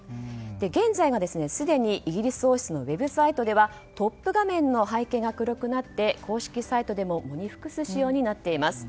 現在すでにイギリス王室のウェブサイトではトップ画面の背景が黒くなって公式サイトでも喪に服す仕様になっています。